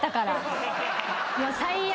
最悪。